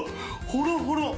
ほろほろ。